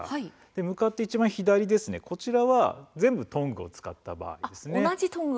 向かっていちばん左こちらは全部トングを使った場合。